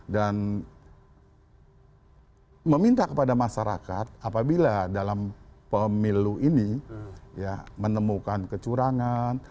dan meminta kepada masyarakat apabila dalam pemilu ini menemukan kecurangan